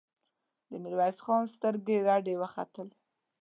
د ميرويس خان سترګې رډې راوختې!